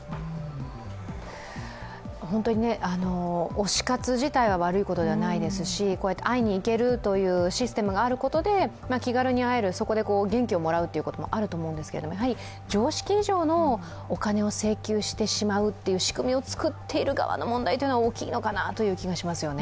推し活自体は悪いことではないですしこうやって会いに行けるというシステムがあることで気軽に会える、そこで元気をもらうということもあると思うんですけど、やはり常識以上のお金を請求してしまう仕組みを作っている側の責任は大きいのかなという気がしますよね。